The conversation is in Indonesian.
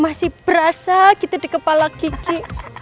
masih berasa gitu di kepala gigi